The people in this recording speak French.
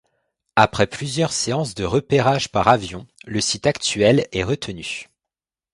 Après plusieurs séances de repérage par avion, le site actuel est retenu.